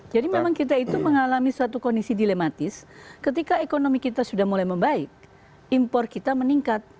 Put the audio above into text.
jadi memang kita itu mengalami suatu kondisi dilematis ketika ekonomi kita sudah mulai membaik impor kita meningkat